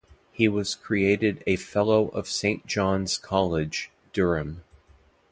He was created a Fellow of Saint John's College, Durham.